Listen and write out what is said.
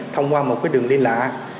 thông qua một đường liên lạ